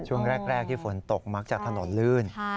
ช่วงแรกที่ฝนตกมักจะถนนลื่น